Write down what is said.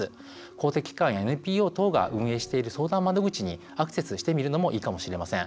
公的機関、ＮＰＯ等が運営している相談窓口に相談してみるのもいいかもしれません。